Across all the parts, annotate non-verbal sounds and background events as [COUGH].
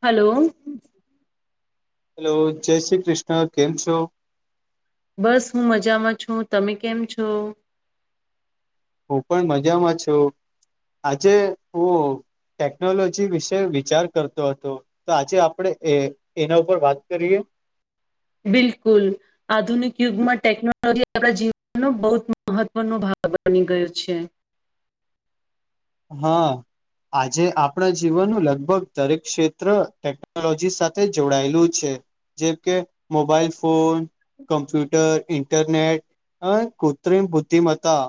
Hello. Hello, જય શ્રી કૃષ્ણ. કેમ છો? બસ, હું મજામાં છું. તમે કેમ છો? હું પણ મજામાં છું, આજે હું ટેકનોલોજી વિશે વિચાર કરતો હતો, તો આજે આપણેે એ એના ઉપર વાત કરીએ. [UNINTELLIGIBLE] બિલકુલ, આધુનિક યુગમાં ટેકનોલોજી આપણા જીવનનો બહુ મહત્વનો ભાગ. બની ગયું છે. હા. આજે આપણા જીવનનું લગભગ દરેક ક્ષેત્ર ટેકનોલોજી સાથે જોડાયેલું છે. જેમ કે મોબાઈલ ફોન. કમ્પ્યુટર, ઇન્ટરનેટ અને કૃત્રિમ બુદ્ધિમતા.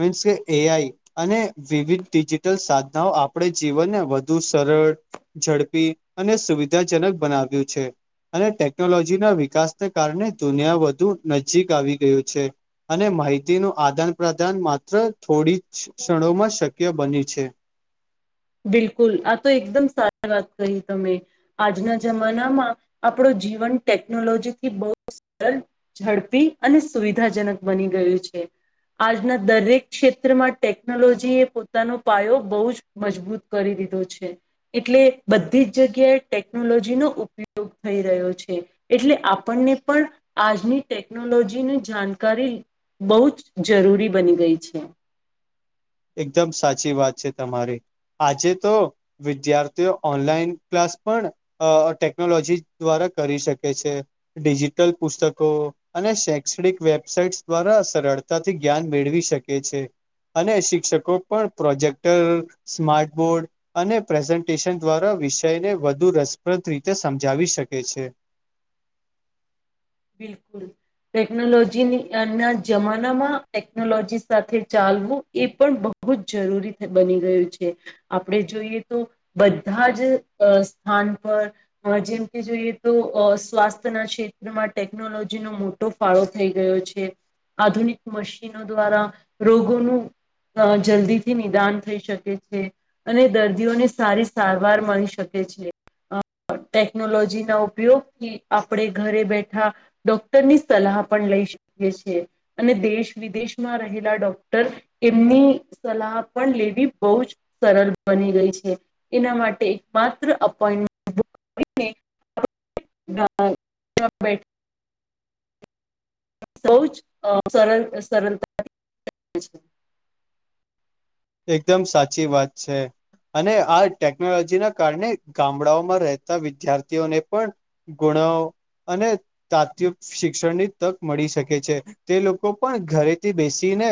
મીન્સ કે એ આઈ અને વિવિધ. ડિજિટલ સાધનાઓ આપણે જીવનને વધુ સરળ. ઝડપી અને સુવિધાજનક બનાવ્યું છે. અને ટેકનોલોજીના વિકાસને કારણે દુનિયા વધુ નજીક આવી ગયું છે. અને માહિતીનું આદાન-પ્રદાન માત્ર થોડી ક્ષણોમાં શક્ય બની છે. બિલકુલ, આ તો એકદમ સારી વાત કરી તમે. આજના જમાનામાં આપણો જીવન ટેકનોલોજીથી બહુ સરળ ઝડપી અને સુવિધાજનક બની ગયું છે. આજના દરેક ક્ષેત્રમાં ટેકનોલોજી એ પોતાનો પાયો બહુ જ મજબૂત કરી દીધો છે, એટલે બધી જ જગ્યાએ ટેકનોલોજી નો ઉપયોગ થઈ રહ્યો છે, એટલે આપણને પણ આજની ટેકનોલોજીની જાણકારી બહુ જ જરૂરી બની ગઈ છે. એકદમ સાચી વાત છે તમારી. આજે તો વિદ્યાર્થીઓ ઓનલાઈન ક્લાસ પણ ટેકનોલોજી દ્વારા. કરી શકે છે, ડિજિટલ પુસ્તકો અને શૈક્ષણિક વેબસાઇટ દ્વારા અસર કરતા થી જ્ઞાન મેળવી શકે છે, અને શિક્ષકો પણ પ્રોજેક્ટર સ્માર્ટ બોર્ડ અને પ્રેઝન્ટેશન દ્વારા વિષયને વધુ રસપ્રદ રીતે સમજાવી શકે છે. બિલકુલ. ટેકનોલોજી ની ના જમાનામાં ટેકનોલોજી સાથે ચાલવું એ પણ બ હુ જ જરૂરી બની ગયું છે, આપણે જોઈએ તો બધા જ અ સ્થા ન પર જેમ કે જોઈએ તો અ સ્વાસ્થ્ય ના ક્ષેત્ર મા ટેકનોલોજી નો મોટો ફાળો થઈ ગયો છે. આધુનિક મશીનો દ્વારા રોગોનું અ જલ્દીથી નિદાન થઈ શકે છે અને દર્દીઓને સારી સારવાર મળી શકે છે અ ટેકનોલોજી ના ઉપયોગથી આપણે ઘરે બેઠ ઠા ડોક્ટરની સલાહ પણ લઈ શકીએ છીએ અને દેશ વિદેશમાં રહેલા ડોક એમની સલાહ પણ લેવી બહુ જ સરળ બની રઈ છે એના મા ટે માત્ર એપોઇન્ટમેન્ટ [INAUDIBLE] બે બઉ જ અ સર સરળતા [INAUDIBLE] એકદમ સાચી વાત છે. અને આ ટેકનોલોજી ના કારણે ગામડાઓમાં રહેતા વિદ્યાર્થીઓને પણ ગુણ નવ અને તાત્કાલિક શિક્ષણની તક મળી શકે છે, તે લોકો પણ ઘરેથી બેસીને ને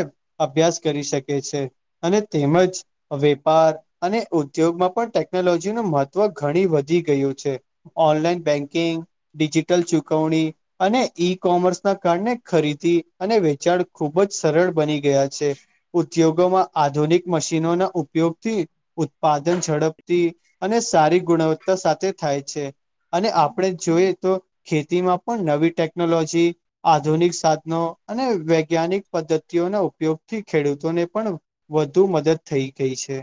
અભ્યાસ કરી શકે છે. અને તેમજ વેપાર અને ઉદ્યોગમાં પણ ટેકનોલોજીનું મહત્વ ઘણી વધી. ગયું છે, ઓનલાઈન બેંકિંગ ડિજિટલ ચુકવણી અને ઈ કોમર્સના કારણે ખરીદી અને વેચાણ ખૂબ જ સરળ બની ગયા છે, ઉદ્યોગોમાં આધુનિક મશીનો ના ઉપયોગથી ઉત્પાદન ઝડપથી અને સારી ગુણવત્તા સાથે થાય છે. અને આપણે જોઈએ તો ખેતીમાં પણ નવી ટેકનોલોજી આધુનિક સાધનો અને વૈજ્ઞાનિક પદ્ધતિઓના ઉપયોગ થી ખેડૂતોને પણ વધુ મદદ થઈ ગઈ છે.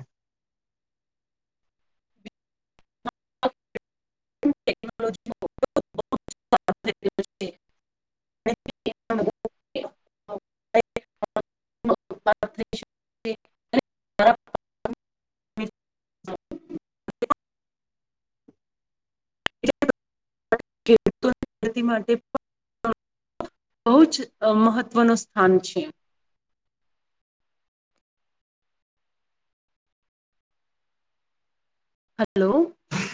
[INAUDIBLE] ઓકે [UNINTELLIGIBLE] [INAUDIBLE] [INAUDIBLE] [INAUDIBLE] ખેડૂતો ખેતી માટે પણ બહુ જ અ મહત્વનું સ્થાન છે. હલો.